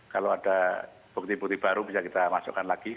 kalau ada bukti bukti baru bisa kita masukkan lagi